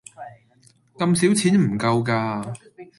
咁少錢唔夠架